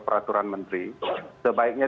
peraturan menteri sebaiknya